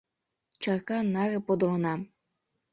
— Чарка наре подылынам.